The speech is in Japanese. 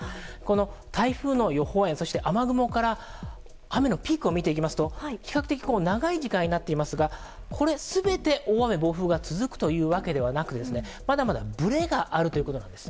台風の予報円、雨雲から雨のピークを見ていくと比較的長い時間になっていますが全て大雨や暴風が続くわけではなくてまだまだ、ぶれがあるということなんです。